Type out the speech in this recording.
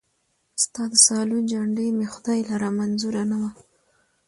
ستا د سالو جنډۍ مي خدای لره منظوره نه وه